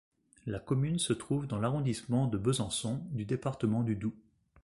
La commune se trouve dans l'arrondissement de Besançon du département du Doubs.